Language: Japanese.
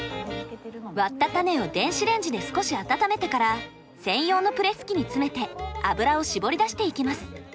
割った種を電子レンジで少し温めてから専用のプレス機に詰めて油を搾り出していきます。